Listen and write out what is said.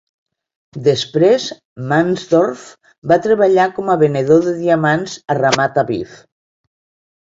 Després, Mansdorf va treballar com a venedor de diamants a Ramat Aviv.